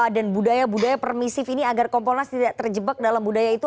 dan budaya budaya permisif ini agar kompolnas tidak terjebak dalam budaya itu